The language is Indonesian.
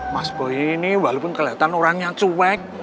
mas boy ini walaupun kelihatan orangnya cuek